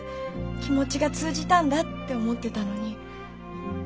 気持ちが通じたんだって思ってたのに。